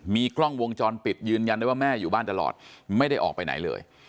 มีกล้องวงจรปิดยืนยันได้ว่าแม่อยู่บ้านตลอดไม่ได้ออกไปไหนเลย